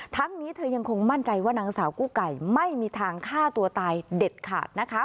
นี้เธอยังคงมั่นใจว่านางสาวกู้ไก่ไม่มีทางฆ่าตัวตายเด็ดขาดนะคะ